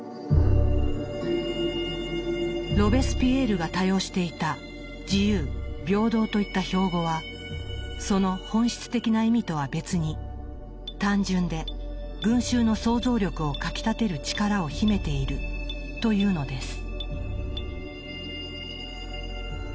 ロベスピエールが多用していた「自由」「平等」といった標語はその本質的な意味とは別に単純で群衆の想像力をかきたてる力を秘めているというのです。